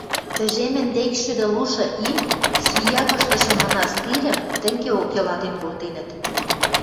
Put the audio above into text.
Тӹжем ӹндекшшӱдӹ лушы ин Свиягыштышы мынастирӹм тӹнгеок йылатен колтенӹт.